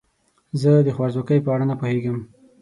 زه د خوارځواکۍ په اړه نه پوهیږم.